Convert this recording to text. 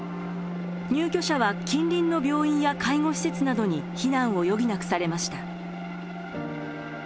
入居者は近隣の病院や介護施設などに避難を余儀なくされました。